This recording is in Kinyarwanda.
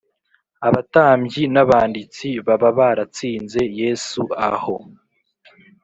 abatambyi n’abanditsi baba baratsinze Yesu aho